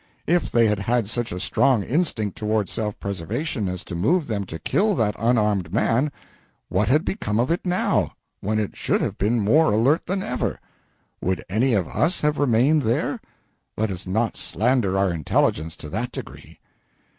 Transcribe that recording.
If they had had such a strong instinct toward self preservation as to move them to kill that unarmed man, what had become of it now, when it should have been more alert than ever? Would any of us have remained there? Let us not slander our intelligence to that degree.